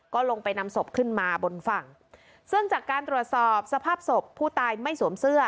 ก็ลงไปนำศพขึ้นมาบนฝั่งซึ่งจากการตรวจสอบสภาพศพผู้ตายไม่สวมเสื้อ